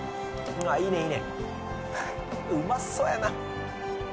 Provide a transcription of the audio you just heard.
いいねいいねうまそうやな